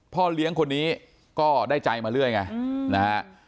พ่อเลี้ยงคนนี้ก็ได้ใจมาเรื่อยไงนะฮะ